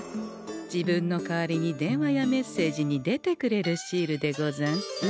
自分の代わりに電話やメッセージに出てくれるシールでござんす。